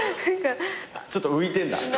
ちょっと浮いてんだ。